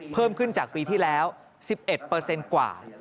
เพิ่มขึ้นจากปีที่แล้ว๑๑กว่า